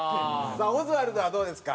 さあオズワルドはどうですか？